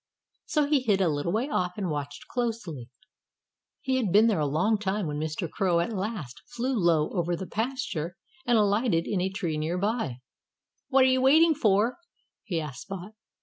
So he hid a little way off and watched closely. He had been there a long time when Mr. Crow at last flew low over the pasture and alighted in a tree near by. "What are you waiting for?" he asked Spot.